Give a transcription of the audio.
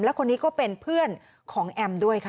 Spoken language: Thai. และคนนี้ก็เป็นเพื่อนของแอมด้วยค่ะ